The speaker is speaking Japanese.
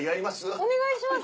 お願いします。